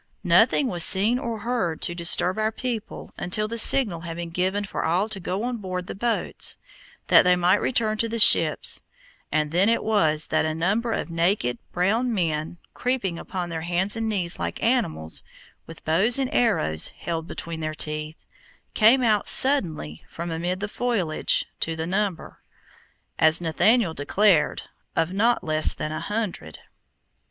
Nothing was seen or heard to disturb our people until the signal had been given for all to go on board the boats, that they might return to the ships, and then it was that a number of naked, brown men, creeping upon their hands and knees like animals, with bows and arrows held between their teeth, came out suddenly from amid the foliage to the number, as Nathaniel declared, of not less than an hundred.